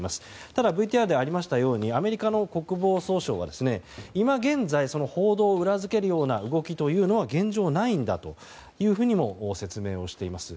ただ、ＶＴＲにありましたようにアメリカの国防総省は今現在その報道を裏付けるような動きは現状ないんだというふうにも説明をしています。